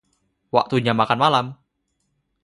Waktunya makan malam.